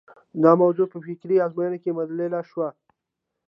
دا موضوع په فکري ازموینو کې مدلل شوه.